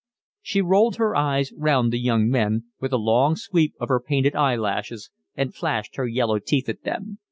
She rolled her eyes round the young men, with a long sweep of her painted eyelashes, and flashed her yellow teeth at them.